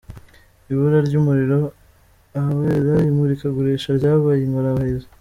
Ibura ry’umuriro ahabera imurikagurisha ryabaye ingorabahizi